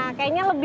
nah kayaknya lebih